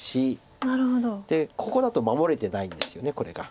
でここだと守れてないんですよねこれが。